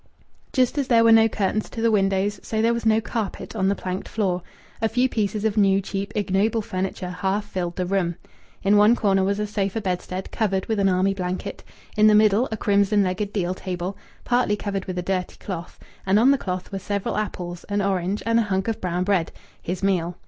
Just as there were no curtains to the windows, so there was no carpet on the planked floor. A few pieces of new, cheap, ignoble furniture half filled the room. In one corner was a sofa bedstead covered with an army blanket, in the middle a crimson legged deal table, partly covered with a dirty cloth, and on the cloth were several apples, an orange, and a hunk of brown bread his meal.